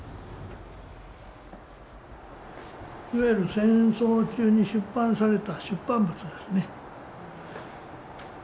いわゆる戦争中に出版された出版物ですね。